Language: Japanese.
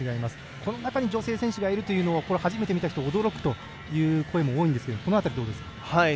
この中に女性選手がいるのを初めて見た人は驚くという声も多いんですけれどもこの辺り、どうですか。